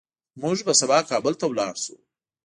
موږ به سبا کابل ته لاړ شو